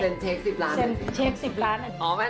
ซันเชค๑๐ล้าน